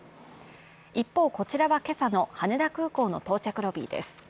一方、こちらは今朝の羽田空港の到着ロビーです。